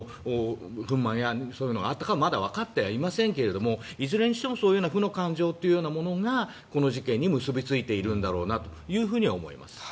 そういうことから考えてみるとどの２者関係の間に憤まんやそういうことがあったのかまだわかっていませんがいずれにしてもそういう負の感情というものがこの事件に結びついているんだろうなとは思います。